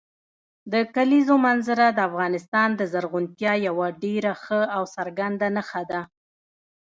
د کلیزو منظره د افغانستان د زرغونتیا یوه ډېره ښه او څرګنده نښه ده.